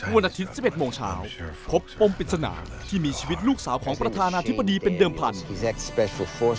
วันอาทิตย์๑๑โมงเช้าพบปมปริศนาที่มีชีวิตลูกสาวของประธานาธิบดีเป็นเดิมพันธุ์